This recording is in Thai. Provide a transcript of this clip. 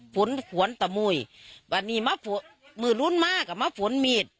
ฝนหวนตมวยไม่รุนมากไม่ฝนมีด